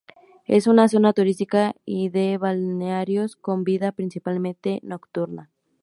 Es una zona turística y de balnearios con vida principalmente nocturna.